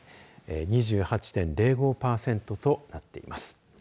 ２８．０５パーセントとなっています。